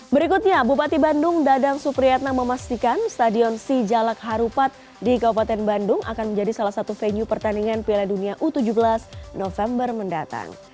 berikutnya bupati bandung dadang supriyatna memastikan stadion sijalak harupat di kabupaten bandung akan menjadi salah satu venue pertandingan piala dunia u tujuh belas november mendatang